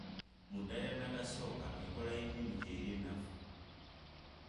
mu ddala lya nnakasooka enkola y’ennimi gy’eri ennafu.